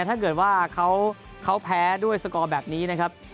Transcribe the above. ถ้าเขาแพ้ด้วยสกอแบบนี้นะครับ